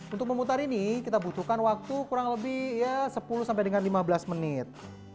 untuk memutar ini kita butuhkan waktu kurang lebih ya sepuluh sampai dengan lima belas menit